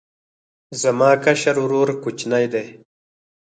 زما کشر ورور کوچنی دی